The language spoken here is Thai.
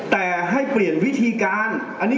แต่ให้เปลี่ยนวิธีการ